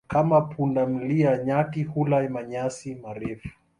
Kama punda milia, nyati hula manyasi marefu.